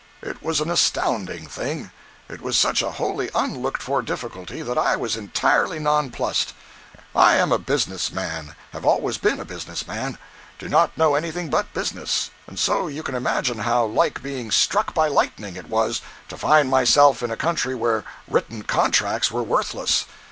It was an astounding thing; it was such a wholly unlooked for difficulty, that I was entirely nonplussed. I am a business man—have always been a business man—do not know anything but business—and so you can imagine how like being struck by lightning it was to find myself in a country _where written contracts were worthless!